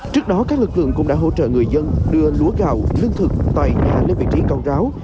trước đó các lực lượng cũng đã hỗ trợ người dân đưa lúa gạo lương thực tài lên vị trí con ráo